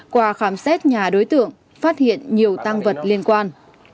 qua khám xét nhà đối tượng phát hiện nhiều tăng vật liên quan